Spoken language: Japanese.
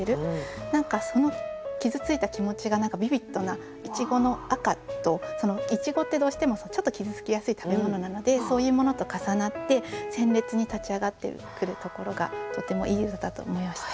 何かその傷ついた気持ちがビビッドないちごの赤といちごってどうしてもちょっと傷つきやすい食べ物なのでそういうものと重なって鮮烈に立ち上がってくるところがとてもいい歌だと思いました。